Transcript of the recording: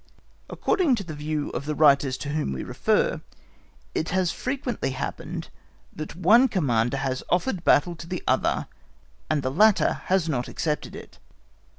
According to the view of the writers to whom we refer, it has frequently happened that one Commander has offered battle to the other, and the latter has not accepted it.